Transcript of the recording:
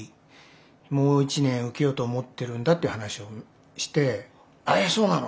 もう１年受けようと思ってるんだっていう話をしてえっそうなの？